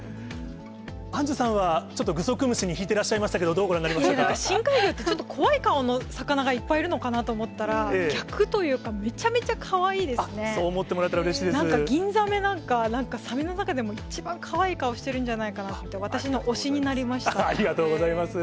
アンジュさんは、ちょっとグソクムシに引いてらっしゃいましたけど、どうご覧にな深海魚って、ちょっと怖い顔の魚がいっぱいいるのかなと思ったら、逆というか、そう思ってもらえたら、なんかギンザメなんか、サメの中でも一番かわいい顔してるんじゃないかと、ありがとうございます。